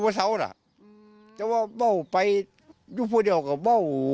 แหมนแต่ว่าเรานี่กิน